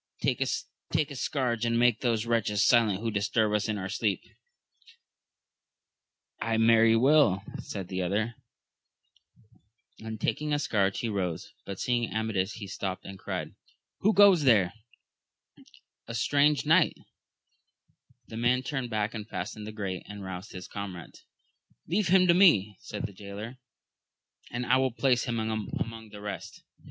Take a scourge and make those wretches silent who disturb us^ m our sleep I Aye, marry vriH 1, aiiA \5£x^ QfOa.^\ *> "sss.^ 118 AMADIS OF GAUL taking a scourge he rose, but seeing Amadis he stopt, and cried, Who goes there ?— ^A strange knight. The man turned back and fastened the grate, and roused his comrades. Leave him to me, said the jaylor, and I will place him among the rest.